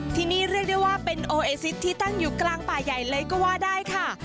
ที่นี่เรียกได้ว่าเป็นโอเอซิสที่ตั้งอยู่กลางป่าใหญ่เลยก็ว่าได้ค่ะ